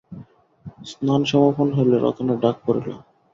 স্নান সমাপন হইলে রতনের ডাক পড়িল।